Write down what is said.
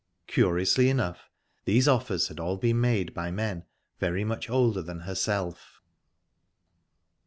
Curiously enough, these offers had all been made by men very much older than herself.